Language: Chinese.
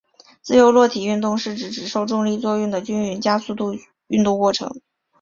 自由落体运动是指只受重力作用的均匀加速度运动过程。